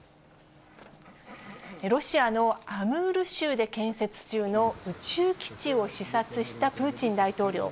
ロシアのアムール州で建設中の宇宙基地を視察したプーチン大統領。